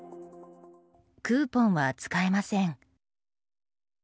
クーポンは使えません。